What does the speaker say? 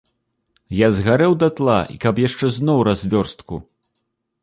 Я згарэў датла і каб яшчэ зноў развёрстку!